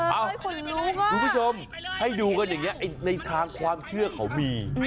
เอาให้คนรู้บ้างคุณผู้ชมให้ดูกันอย่างนี้ในทางความเชื่อเขามี